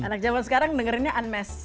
anak jaman sekarang dengerinnya anmes